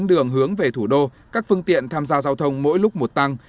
đường hướng về thủ đô các phương tiện tham gia giao thông mỗi lúc một tăng